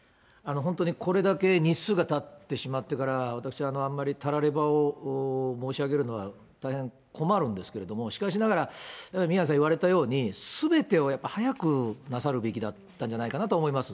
本当に、これだけ日数がたってしまってから、私はあんまりたらればを申し上げるのは大変困るんですけれども、しかしながら、宮根さん言われたように、すべてをやっぱ早くなさるべきだったんじゃないかなと思います。